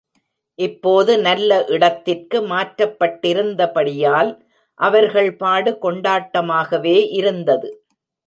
இப்போது நல்ல இடத்திற்கு மாற்றப்பட்டிருந்த படியால் அவர்கள் பாடு கொண்டாட்டமாகவே இருந்தது.